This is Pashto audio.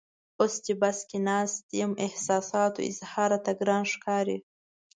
اوس چې بس کې ناست یم احساساتو اظهار راته ګران ښکاري.